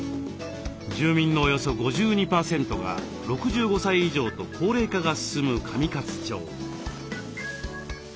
住民のおよそ５２％が６５歳以上と高齢化が進む上勝町。